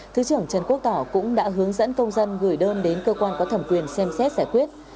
thứ trưởng trần quốc tỏ cũng đã hướng dẫn công dân gửi đơn đến cơ quan có thẩm quyền xem xét giải quyết